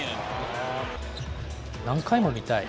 何回も見たい。